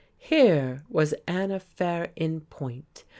Here was an affair in point.